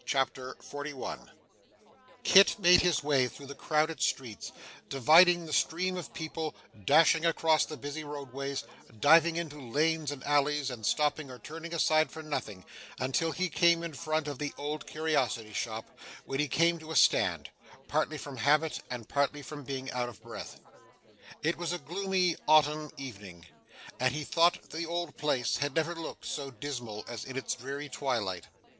CHAPTER 41 Kit made his way through the crowded streets, dividing the stream of people, dashing across the busy road ways, diving into lanes and alleys, and stopping or turning aside for nothing, until he came in front of the Old Curiosity Shop, when he came to a stand; partly from habit and partly from being out of breath. It was a gloomy autumn evening, and he thought the old place had never looked so dismal as in its dreary twilight.